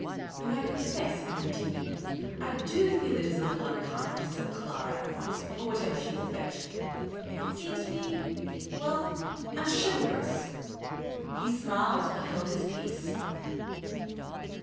" Though I confess," I continued, " 1 do feel i\ is a little unkind to sell Clara at once for whatever she will fetch. It seems to me — well — unchivalrous." He smiled, but held his peace.